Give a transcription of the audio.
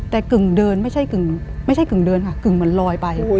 แต่กึ่งเดินไม่ใช่กึ่งเดินค่ะกึ่งเหมือนลอยไป